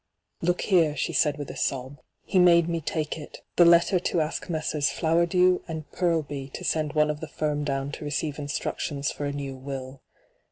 ' Look here,' she said with a sob. ' He made me take it — the letter to ask Messrs. Flowerdew and Purlby to send one of the firm down to receive instructions for a new will.